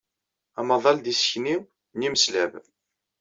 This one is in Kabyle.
Amaḍal d isekni n yimeslab.